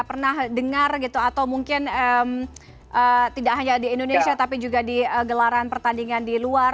pernah dengar gitu atau mungkin tidak hanya di indonesia tapi juga di gelaran pertandingan di luar